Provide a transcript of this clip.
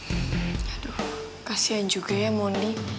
aduh kasihan juga ya mondi